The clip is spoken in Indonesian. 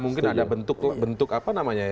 mungkin ada bentuk apa namanya ya